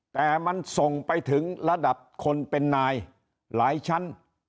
แต่มันส่งไปถึงระดับคนเป็นนายหลายชั้น